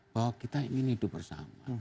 bahwa kita ingin hidup bersama